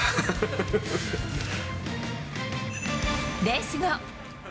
レース後。